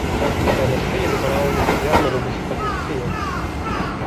كان السيد براوين يعمل بصفة سفير.